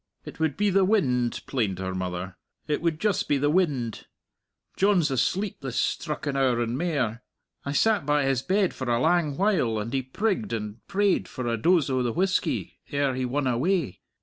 "It would be the wind," plained her mother; "it would just be the wind. John's asleep this strucken hour and mair. I sat by his bed for a lang while, and he prigged and prayed for a dose o' the whisky ere he won away.